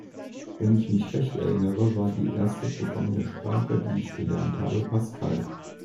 Wenn ich mich recht erinnere, war die erste Programmiersprache, die ich gelernt habe, Pascal.